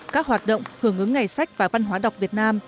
các hoạt động hưởng ứng ngày sách và văn hóa đọc việt nam